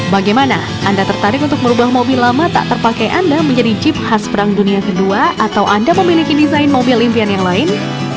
bagaimana anda tertarik untuk merubah mobil lama tak terpakai anda menjadi jeep khas perang dunia ii atau anda memiliki desain mobil impian yang lain